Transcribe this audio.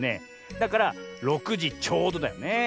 だから６じちょうどだよね。